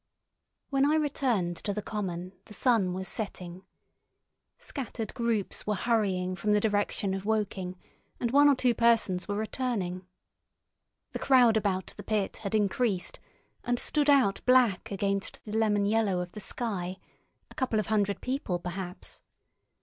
When I returned to the common the sun was setting. Scattered groups were hurrying from the direction of Woking, and one or two persons were returning. The crowd about the pit had increased, and stood out black against the lemon yellow of the sky—a couple of hundred people, perhaps.